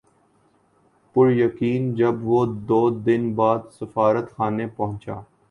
پُریقین جب وہ دو دن بعد سفارتخانے پہنچا